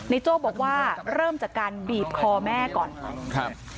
โจ้บอกว่าเริ่มจากการบีบคอแม่ก่อนครับ